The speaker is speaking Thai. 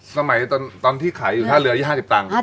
สมัยตอนที่ขายอยู่ท่าเรือที่๕๐ตังค์